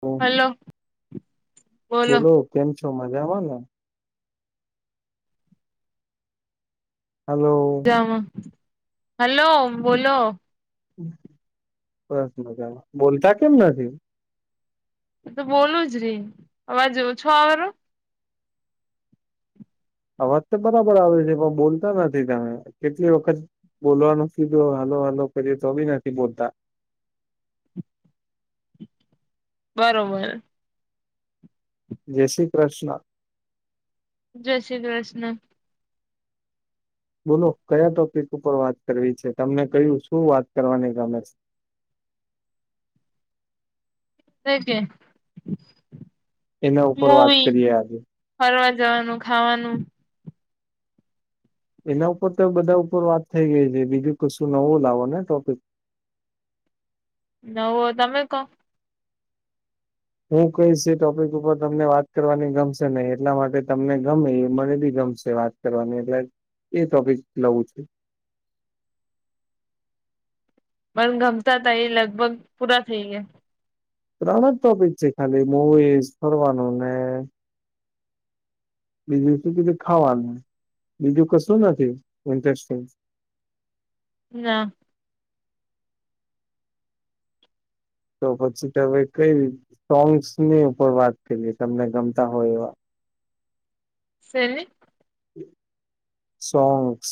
હમ hello બોલો કેમ છો મજામાં ને? હલો હહ હલો બોલો બસ મજામાં. બોલતા કેમ નથી? હું તો બોલું જ રી. અવાજ ઓછો આવરો? અવાજ તો બરાબર આવે છે, પણ બોલતા નથી તમે કેટલી વખત બોલવાનું કીધું હલો હલો કરીએ તો બી નથી બોલતા. બરોબર જય શ્રી કૃષ્ણ જય શ્રી કૃષ્ણ બોલો કયા ટોપિક ઉપર વાત કરવી છે, તમને કયું શું વાત કરવાની ગમે છે? [inaudible] તેના ઉપર વાત મૂવી કરીએ આજે. ફરવા જવાનું, ખાવાનું એના ઉપર તો બધા ઉપર વાત થઈ ગઈ છે બીજું કશું નવું લાવો ને ટોપિક. નવો તમે કો હું કહીશ એ ટોપિક ઉપર તમને વાત કરવાની ગમશે નહીં એટલા માટે તમને ગમે એ મને બી ગમશે વાત કરવાની એટલે એ ટોપિક લઉ છું. મન ગમતા તા એ લગભગ પૂરા થઈ ગયા. ત્રણ જ ટોપિક છે ખાલી મુવીઝ, ફરવાનું ને બીજું શું કીધું ખાવાનું, બીજું કશું નથી ઇન્ટરેસ્ટિંગ? ના તો પછી ત હવે કઈ રીત સોંગ્સની ઉપર વાત કરીએ તમને ગમતા હોય એવા. શેની? સોંગસ,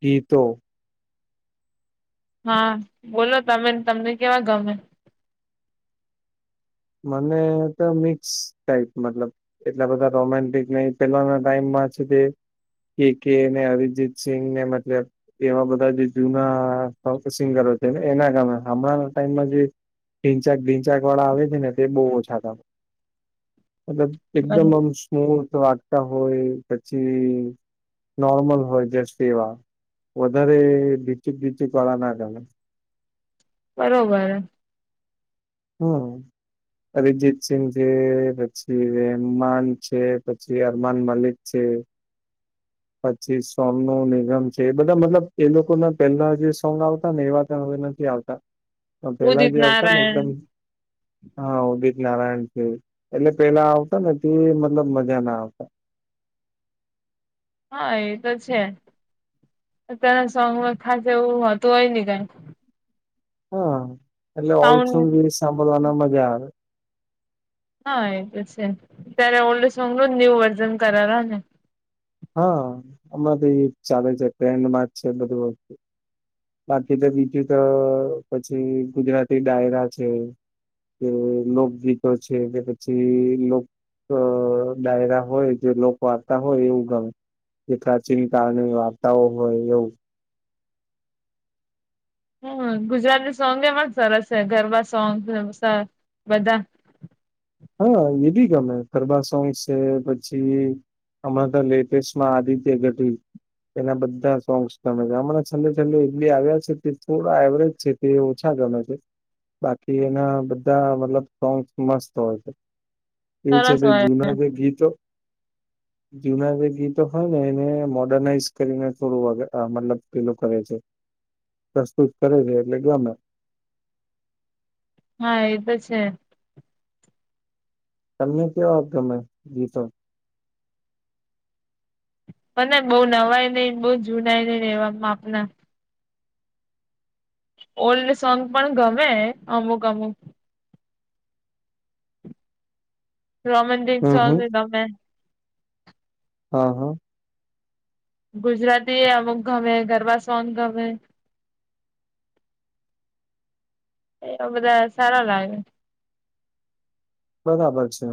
ગીતો હા બોલો તમે ને તમને કેવા ગમે? મને તો મિક્સ ટાઈપ મતલબ એટલા બધા રોમેન્ટિક નહી પેલાના ટાઈમમાં છે કે કે કે અને અરિજીત સિંઘને મતલબ એવા બધા જે જૂના સિંગરો છે ને એના ગમે હમણાં ના ટાઈમમાં જે ઢીંચાક ઢીંચાકવાળા આવે છે ને તે બહુ ઓછા ગમે. મતલબ એકદમ આમ મ્યુટ વાગતા હોય પછી નોર્મલ હોય જે સેવા વધારે ભીચુક ભીચુક વાળા ના ગમે. બરોબર હે હમ અરિજીત સિંઘ છે પછી રેમાન છે પછી અરમાન મલિક છે. પછી સોનું નિગમ છે એ બધા મતલબ એ લોકોના પેલા જે સોંગ આવતા ને એવા ત હવે નથી આવતા. [inaudible] તો પેલા જે આવતા ને એકદમ નારાયણ હા ઉદિત નારાયણ છે. એટલે પેલા આવતા ને મતલબ મજા ના આવતા. હા એ તો છે તેના સોંગમાં ખાસ એવુંતું હોય નહ કઈ હહ એટલે ઓલ સોંગ સાઉન્ડ બી સાંભળવાના મજા આવે. હા એ તો છે અત્યારે ઓલ્ડ સોંગ જ ન્યુ વર્ઝન કરેરા ને હહ હમણાં તો ઈ જ ચાલે છે ટ્રેન્ડમાં જ છે બધું વસ્તુ બાકી તો બીજું તો પછી ગુજરાતી ડાયરા છે. કે લોકગીતો છે કે પછી લોક અ ડાયરા હોય જે લોકવાર્તા હોય એવું ગમે. જે પ્રાચીન કાળની વાર્તાઓ હોય એવું. હમ ગુજરાતી સોંગ એમાં જ સરસ છે ગરબા સોંગ બધા હા એ બી ગમે ખરબા સોંગસ છે પછી અમામાં તો લેટેસ્ટમાં આદિત્ય ગઢવી. એના બધા સોંગ્સ તમે અરા છેલ્લે છેલ્લે એ બી આવ્યા છે કે થોડા એવરેજ છે. તે ઓછા ગમે છે બાકી એના બધા મતલબ સોંગસ મસ્ત એ છે સરસ ભાઈ હોય જુના જે ગીતો. [inaudible] જુના જે ગીતો હોય ને એને મોર્ડર્નાઈઝ કરીને થોડું મતલબ પેલું કરે છે. પ્રસ્તુત કરે છે એટલે ગમે હા એ તો છે. તમને કેવો આપ્યો ગીતો? પણ બહુ નવાય નઈિ બહુ જુનાય નઈિ એવા માપના. ઓલ્ડ સોંગ પણ ગમે અમુક અમુક રોમન દિન હમ સાંગ હમ એમે. હા હા. ગુજરાતી અમુક ગમે ગરબા સન ગમે. એવ બધા સારા લાગે. બરાબર છે.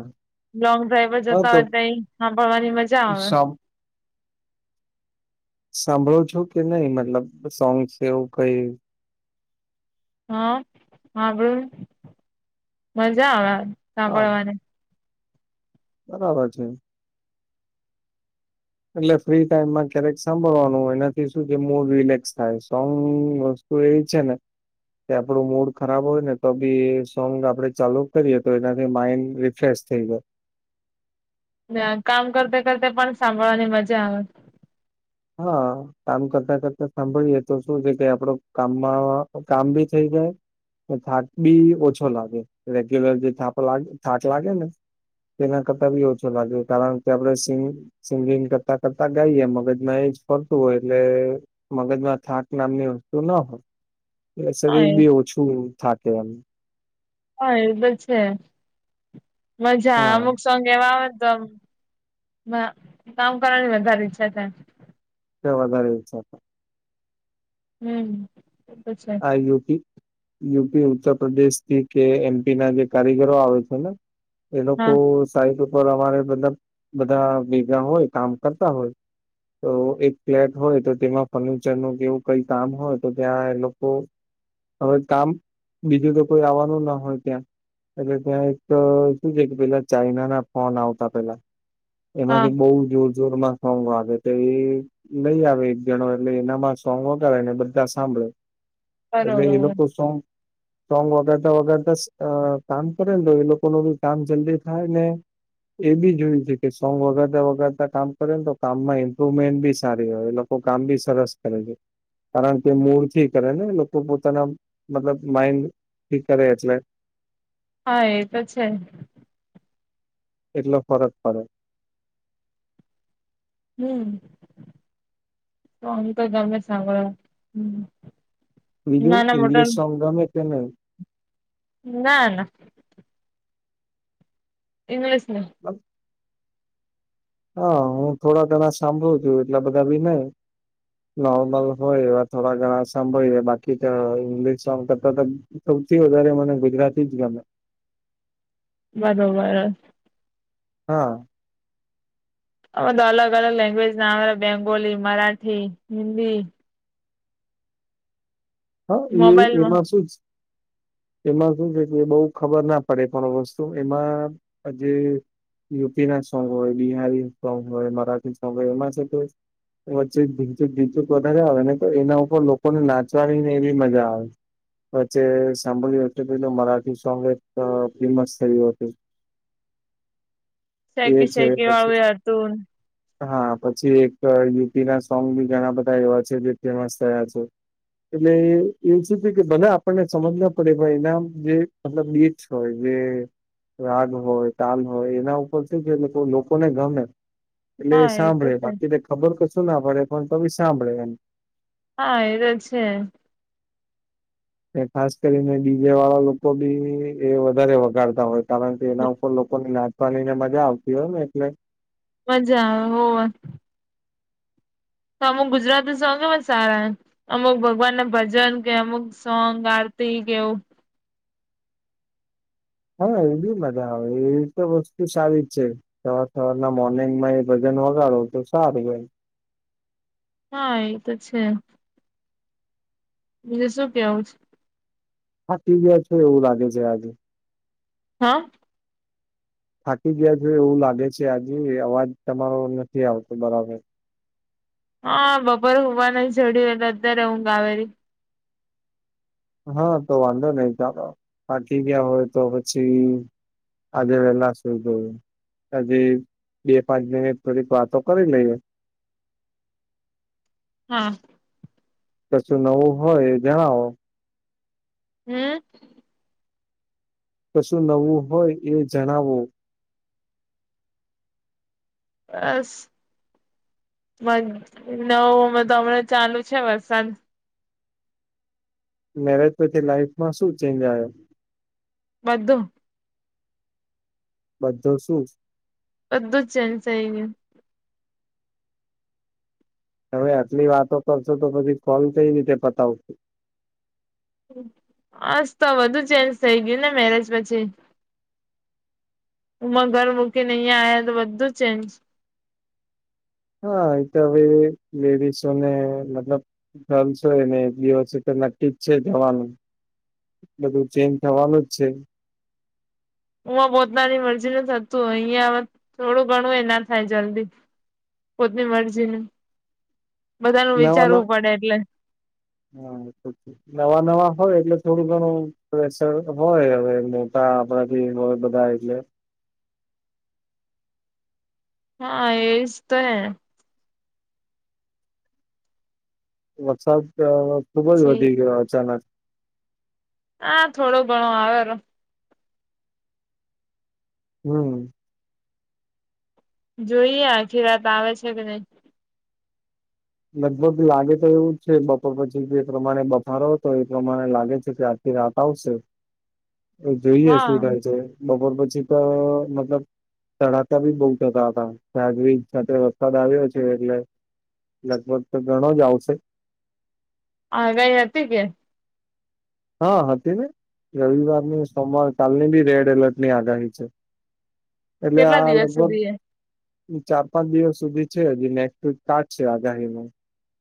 લોંગ ડ્રાઈવ જતા હોય તો સાંભળવાની મજા આવે સાંભ સાંભળો છો કે નહી મતલબ સોંગ એવું કઈ? હા સાંભળું મજા આવે હા સાંભળવાને. બરાબર છે. એટલે ફ્રી ટાઈમમાં ક્યારેક સાંભળવાનું હોય એનાથી શું છે મૂડ રિલેક્સ થાય સોંગ હો છે. કે આપડું મૂડ ખરાબ હોય ને તો બી એ સોંગ આપડે ચાલુ જ કરીએ તો એનાથી માઇડ ફસ થઈ ગયો. કામ કરતે કરતે પણ સાંભળવાની મજા આવે. હા. કામ કરતા કરતા સાંભળીએ તો શું છે કે આપડો કામમાં કામ ભી થઈ જાય. થાક બી ઓછો લાગે રેગ્યુલર જે થા થાક લાગે ને તેના કરતાં બી ઓછો લાગ્યો કારણ કે આપડણે સ સિંગિંગ કરતા કરતા ગાઈએ મગજ ન એ જ ફરતું હોય એટલે મગજમાં થાક નામની વસ્તુ ના હોય. એ શરીર હા બી ઓછું થકે એમ. હા એ તો છે મજા હા અમુક સોંગ એવા આવે તોમ કામ કરવાની વધારે ઈચ્છા થાય વધારે ઈચ્છા થાય. હમ. એ તો છે આ યુપી યુપી ઉત્તર પ્રદેશ થી કે એમપી ના જે કારીગરો આવે છે ને એ લોકો હા સાઈટ ઉપર અમારે મતલબ બધા ભેગા હોય કામ કરતા હોય તો એક ફ્લેટ હોય તો તેમાં ફર્નિચર નુ કેવું કઈ કામ હોય તો ત્યાં એ લોક તો હવે કામ બીજું તો કોઈ આવવાનું ન હોય ત્યાં. એટલે ત્યાં એક શું છે કે પેલા ચાઈના ના ફોન આવતા પેલા. હા એમાંથી બઉુ જોર જોર માં ફંગ વાે તો એ લઈ આવે એક જણો એટલે એનામાં સોંગ વગાડે ને બધા સાંભળે. એટલે એ બરોબર લોકો સોંગ [inaudible] સ્ટ્રોંગ વગાડતા વગાડતા કામ કરે ને તો એ લોકો ન બી કામ જલ્દી થાય ને એ બી જોયું છે કે સોંગ વગાતા વગાતા કામ કરે ને તો કામ માં ઇમ્પ્રુવમેન્ટ બી સારી હોય. કામ બી સરસ કરે છે કારણ કે મૂળ થી કરે ને લોકો પોતાના મતલબ માઈન્ડ ઠીક કરે એટલે હા એ તો છે. એટલો ફરક પડે. હમ તો અમે તો ગમે સાંભળવા હમ. બીજું ઈગ્લીિશ સોન્ગ ગમે તે નઈ. ના ના. ઇંગ્લિશ ન બસ હા હું થોડા ઘણા સાંભળું છું એટલા બધા ભી નહી. નવું નવું હોય એવા થોડા ઘણા સાંભળીએ બાકી તો ઇંગ્લિશ સોંગ કરતા તો સૌથી વધારે મને ગુજરાતી જ ગમે. બરોબર. હા. હવે તો અલગ અલગ લેંગ્વેજ ના આવે બેંગોલી, મરાઠી, હિન્દી હા એ મોબાઈલમાં એમાં શું છ [unintelligible] એમાં શું છે કે એ બઉ ખબર ના પડે પણ વસ્તુ એમાં જે યુપી ના સોંગ હોય બિહારી સોંગ હોય મરાઠી સોંગ હોય એમાં છે કે એવ ચીક ઢીંચુક ઢીંચુક વધારે આવે ને તો એના ઉપર લોકોને નાચવાની એ બી મજા આવે. વચ્ચે સાંભળ્યું એટલે પેલું મરાઠી સોંગ એક અ ફેમસ થયું હતું. એ સૈકી છે સૈકી પછી વાળુંએ હતુન. હા પછી એક યુપી ના સોંગ બી ઘણા બધા એવા છે જે ફેમસ થયા છે. એટલે એવું શું છે કે ભલે આપણને સમજ ન પડે પણ એના આમ મતલબ બિટ્સ હોય જે રાગ હોય તાલ હોય એના ઉપર શું છે લોકો લોકોને ગમે. એટલે એ હા તો સાંભળે છે બાકીને ખબર કશું ના પડે પણ તો ભી સાંભળે એમ. હા એ તો છે. એ ખાસ કરીને બીજે વાળા લોકો બી એ વધારે વગાડતા હોય. કારણ કે એના ઉપર લોકોને નાચવાની ને મજા આવતી હોય ને એટલે મજા આવ હોવ. તો અમુક ગુજરાતી સોંગ એ પણ સારા અમુક ભગવાન ના ભજન કે અમુક સોંગ આરતી કે એવું હા એ બી મજા આવે એવી તો વસ્તુ સારી જ છે. સવાર સવાર ના મોર્નિંગ માં એ ભજન વગાડો તો સારું એમ. હા એ તો છે. બીજું શું કેવું છ. હટી ગયા છે એવું લાગે છે આજે. હા. થાકી ગયા છે એવું લાગે છે આજે અવાજ તમારો નથી આવતો બરાબર. હા બપોરે હોવા ન છડ્યું એટલે અત્યારે હઊ ગ આવેેલી. હા તો વાંધો નઈ ચાલો પાકી ગયા હોય તો પછી. અદવેલા શુંધું. હજી બે પાંચ મિનિટ થોડીક વાતો કરી લઈએ. હા. કશું નવું હોય એ જણાવો. હમ. કશું નવું હોય એ જણાવો. બસ. મન નવુંમાં તો હમણાં ચાલુ છે વરસાદ. મેરેજ પછી લાઈફમાં શું ચેન્જ આયો. બધું. બધો શું. અધ જ ચન્સ એ. તમે આટલી વાતો કરશો તો પછી કોલ કઈ રીતે પતાવશો. બસ તો વધધુ ચેન્જ થઇ ગયું ને મેરેજ પછી. હમાં ઘર મૂકીને અહિયાં આ્યા તો બધું ચેન્જ. હા એ તો હવે લેડીસોને મતલબ. ચલ છો ને બ છે ટી છે જવાનું. બધું ચેન્જ થવાનું જ છે. હું પોતાની મરજી નથી થતું અહિયાં થોડું ઘણું એ ના થાય જલ્દી. પોતની મરજી ન બધાનું વિચારવું પડે એટલે. હ નવા નવા હોય એટલે થોડું ઘણું. પ્રેશર હોય હવે મોટા આપણાથી હોય બધા એટલે. હા એ જ તો. વરસાદ ખુબજ પછી વધી ગયો અચાનક. હા થોડો ઘણો આવે. હમ. જોઈએ આખી રાત આવે છે કે નહી. લગભગ લાગે તો એવું જ છે બપોર પછી એ પ્રમાણે બફારો હતો એ પ્રમાણે લાગે છે કે. એ તશે. જોઈએ હા શું થાય છે બપોર પછી તો મતલબ. તડાકા બી બઉુ થતા હતા ગજવીજ સાથે વરસાદ આવ્યો છે એટલે. લગભગ તો ઘણો જ આવશે. હા ગઈ હતી કે. હા હતી ને રવિવારની સોમવાર કાલની બી રેડ એલર્ટ ની આગાહી છે. એટલે કેટલા આ દિવસ લગભગ. સુધી એ ચાર પાંચ દિવસ સુધી છે હજી નેક્સ્ટ વીક કારજ છે આગાહી ન.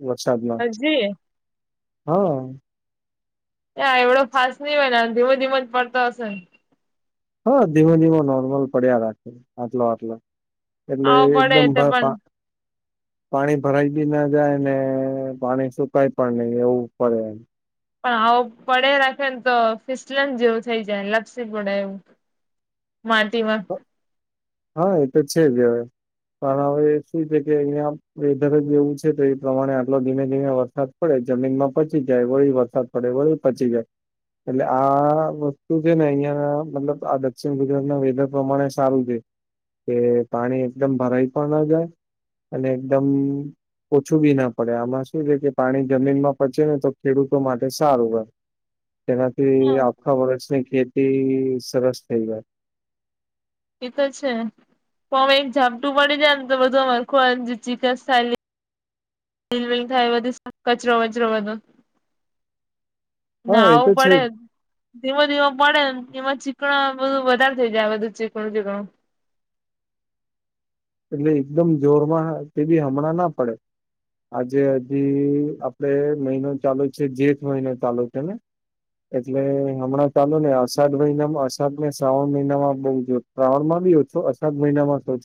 વરસાદમાં હજી હા. ના એવડો ફાસ્ટ નહ હોય ને ધીમ ધીમો જ પડતો હશે ને. હા ધીમો ધીમો નોર્મલ પડ્યા રાખે આટલો આટલો. એટલે આવો પડે એકદમ તો ભ પા. [inaudible] પાણી ભરાઈ બી ના જાય ને પાણી સુકાય પણ નઈ એવું પડેમ. પણ આવો પડે રાખે ને તો ફિસલન જેવું થઈ જાય લપસી પડે એવું. માટીમાં હ. હા એ તો છે જ હવે. પણ હવે શું છે કે અહીિયાયા વેધર જ એવું છે તો એ પ્રમાણે આટલો ધીમે ધીમે વરસાદ. પડે જમીનમાં પચી જાય વળી વરસાદ પડે વળી પચી જાય એટલે આ વસ્તુ છે ને અહિયાં મતલબ આ દક્ષિણ ગુજરાતના વેધર પ્રમાણે સારું છે. કે પાણી એકદમ ભરાઈ પણ ના જાય અને એકદમ ઓછું બી ના પડે આમાં શું છે કે પાણી જમીનમાં પચે ને તો ખેડૂતો માટે સારું રહે. તેનાથી હા આખા વર્ષની ખેતી સરસ થઈ ગાય. એ તો છે પણ અમે એક ઝાપટું પડી જાય ને તો બધું અર ચિકન સાઇલી. બિલ બિલ થાય એ બધું કચરો વચરો બધો. હા ના એ આવું તો છે પડે. જ. ધીમો ધીમો પડે ને એમાં ચીકણા બધું વધારે થઈ જાય બધું ચીકણું ચીકણું. એટલે એકદમ જોરમાં તે બી હમણાં ના પડે. આજે હજી આપડે મહિનો ચાલુ છે જેઠ મહિનો ચાલુ છે ને? એટલે હમણાં ચાલુ ને અષાઢ મહિનામાં અષાઢ ને શ્રાવણ મહિનામાં બઉ જો શ્રાવણમાં બી ઓછો અષાઢ મહિનામાં સૌથી